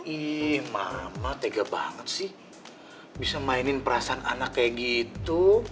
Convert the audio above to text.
ih mama tega banget sih bisa mainin perasaan anak kayak gitu